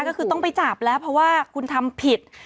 ก็คือต้องไปจับแล้วเพราะว่าคุณทำผิด